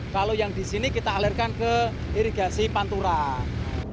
kalau yang di sini kita alirkan ke irigasi panturang